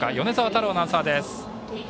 太郎アナウンサーです。